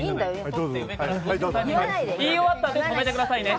言い終わったら止めてくださいね。